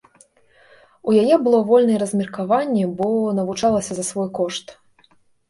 У яе было вольнае размеркаванне, бо навучалася за свой кошт.